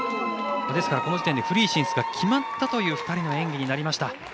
ですから、この時点でフリー進出が決まったという２人の演技になりました。